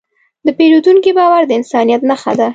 د پیرودونکي باور د انسانیت نښه ده.